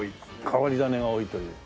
変わり種が多いという。